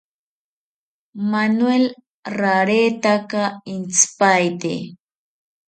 Manuel rareta intzipaete